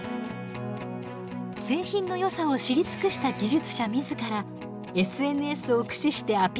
製品のよさを知り尽くした技術者自らＳＮＳを駆使してアピールします。